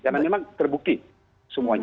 karena memang terbukti semuanya